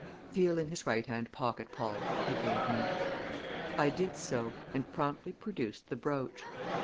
"Feel in his right hand pocket, Paul!" he bade me. I did so and promptly produced the brooch.